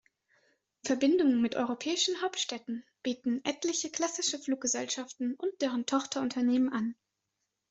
Verbindungen mit europäischen Hauptstädten bieten etliche klassische Fluggesellschaften und deren Tochterunternehmen an.